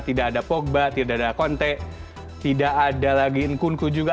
tidak ada pogba tidak ada konte tidak ada lagi inkunku juga